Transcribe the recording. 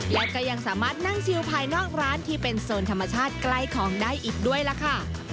และก็ยังสามารถนั่งชิวภายนอกร้านที่เป็นโซนธรรมชาติใกล้ของได้อีกด้วยล่ะค่ะ